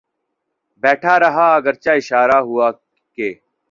بیٹھا رہا اگرچہ اشارے ہوا کیے